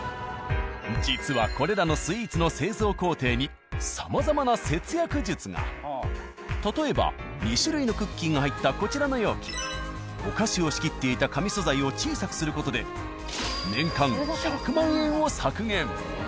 実はこれらのスイーツの例えば２種類のクッキーが入ったこちらの容器お菓子を仕切っていた紙素材を小さくする事で年間１００万円を削減。